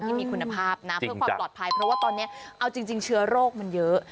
ที่มีคุณภาพนะเพื่อความปลอดภัยเพราะว่าตอนนี้เอาจริงเชื้อโรคมันเยอะ